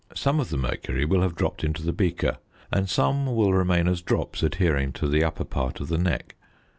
Some of the mercury will have dropped into the beaker, and some will remain as drops adhering to the upper part of the neck.